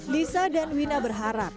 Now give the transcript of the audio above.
lisa dan wina berharap